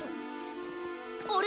あれ？